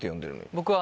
僕は。